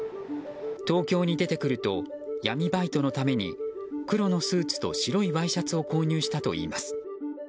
東京に出てくると闇バイトのために黒のスーツと白いワイシャツを購入したといいます。